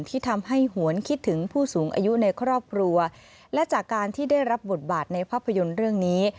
ที่ทำให้หวนคิดถึงผู้สูงอายุในครอบครัวและจากการที่ได้รับบทบาทในภาพยนตร์เรื่องนี้